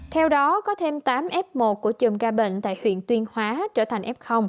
theo đó có thêm tám f một của chùm ca bệnh tại huyện tuyên hóa trở thành f